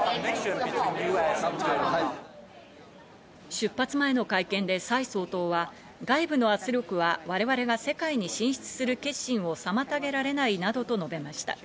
出発前の会見でサイ総統は、外部の圧力は我々が世界に進出する決心を妨げられないなどと述べました。